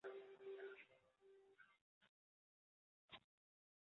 他同时也担任副总裁与怀俄明大学董事。